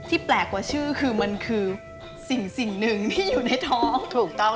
ที่แปลกกว่าชื่อคือมันคือสิ่งหนึ่งที่อยู่ในท้อง